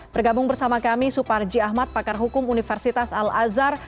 bergabung bersama kami suparji ahmad pakar hukum universitas al azhar